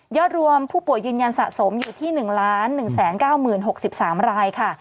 รวมผู้ป่วยยืนยันสะสมอยู่ที่๑๑๙๐๖๓รายค่ะ